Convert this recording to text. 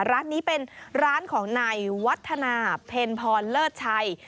ร้านนี้เป็นร้านของนายวัฒนาเพ็ญพรเลิศชัย